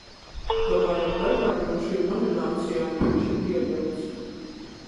Tomēr ar dažām no šīm nominācijām viņš ir pievilts.